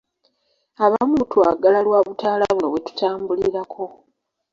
Abamu mutwagala lwabutaala buno bwetutambuliramu.